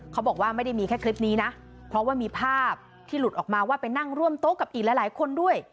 เขาบอกว่าไม่ได้มีแค่คลิปนี้นะเพราะว่ามีภาพที่หลุดออกมาว่าไปนั่งร่วมโต๊ะกับอีกหลายคนด้วย